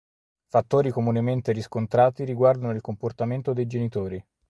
Fattori comunemente riscontrati riguardano il comportamento dei genitori.